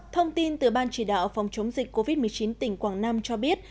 thông tin từ ban chỉ đạo phòng chống dịch covid một mươi chín tỉnh quảng nam cho biết